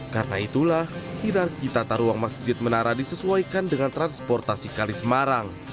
karena itulah hirar kita taruhang masjid menara disesuaikan dengan transportasi kali semarang